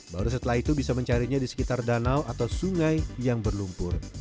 baru setelah itu bisa mencarinya di sekitar danau atau sungai yang berlumpur